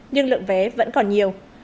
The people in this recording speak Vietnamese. nhưng lượng vé vẫn còn nhiều